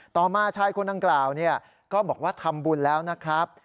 ต่อมาชายคนดังกล่าวก็บอกว่าทำบุญแล้วนะครับ